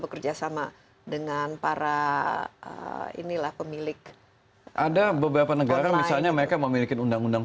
bekerja sama dengan para inilah pemilik ada beberapa negara misalnya mereka memiliki undang undang